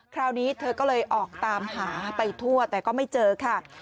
คราวนี้เธอก็เลยออกตามหาไปทั่วแต่ก็ไม่เจอค่ะ